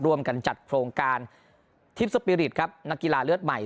ร่วมกันจัดโครงการทิพย์สปีริตครับนักกีฬาเลือดใหม่